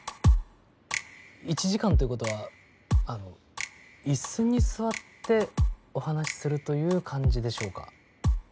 １時間ということはあの椅子に座ってお話しするという感じでしょうか？